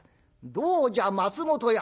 「どうじゃ松本屋。